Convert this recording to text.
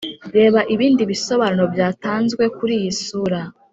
reba ibindi bisobanuro byatanzwe kuri iyi sura